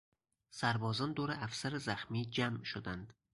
سربازان دور افسر زخمی جمع شدند.